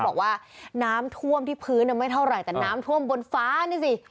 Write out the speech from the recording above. บอกว่าน้ำท่วมที่พื้นไม่เท่าไหร่แต่น้ำท่วมบนฟ้านี่สิ